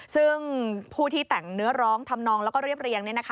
ซึ่งผู้ที่แต่งเนื้อร้องทำนองแล้วก็เรียบเรียง